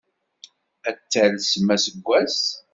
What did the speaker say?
Ad talsem aseggas!